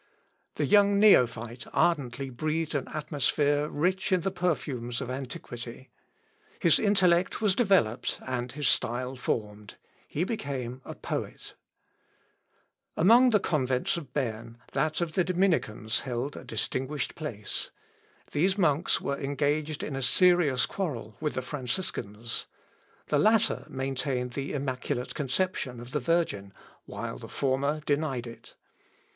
The young neophyte ardently breathed an atmosphere rich in the perfumes of antiquity. His intellect was developed and his style formed. He became a poet. Ab eo in adyta classicorum scriptorum introductus. (Ibid.) Among the convents of Berne, that of the Dominicans held a distinguished place. These monks were engaged in a serious quarrel with the Franciscans. The latter maintained the immaculate conception of the virgin, while the former denied it.